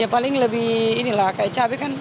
ya paling lebih ini lah kayak cabai kan